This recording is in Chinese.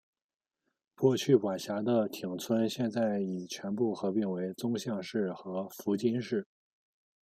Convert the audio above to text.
过去管辖的町村现已全部合并为宗像市和福津市。